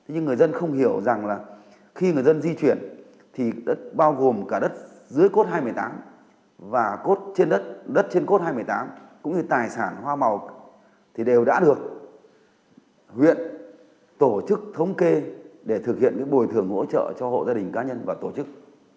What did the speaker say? nhưng người dân không hiểu rằng là khi người dân di chuyển thì đất bao gồm cả đất dưới cốt hai nghìn một mươi tám và cốt trên đất đất trên cốt hai nghìn một mươi tám cũng như tài sản hoa màu thì đều đã được huyện tổ chức thống kê để thực hiện cái bồi thường hỗ trợ cho hộ gia đình cá nhân và tổ chức